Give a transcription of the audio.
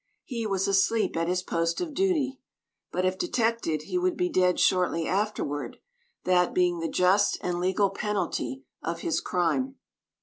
He was asleep at his post of duty. But if detected he would be dead shortly afterward, that being the just and legal penalty of his crime.